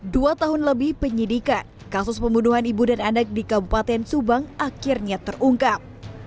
dua tahun lebih penyidikan kasus pembunuhan ibu dan anak di kabupaten subang akhirnya terungkap